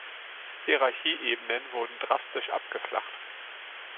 Hierarchieebenen wurden drastisch abgeflacht.